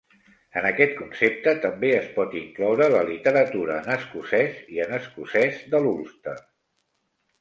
En aquest concepte també es pot incloure la literatura en escocès i en escocès de l'Ulster.